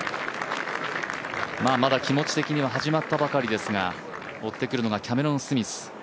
まだ気持ち的には始まったばかりですが追ってくるのがキャメロン・スミス